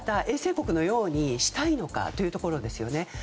衛星国のようにしたいのかというところですよね。